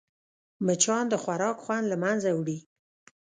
مچان د خوراک خوند له منځه وړي